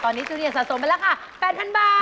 ตอนนี้ทุเรียนสะสมไปแล้วค่ะ๘๐๐๐บาท